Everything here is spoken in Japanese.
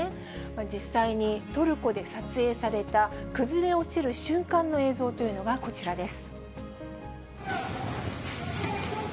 実際にトルコで撮影された、崩れ落ちる瞬間の映像というのがこちらです。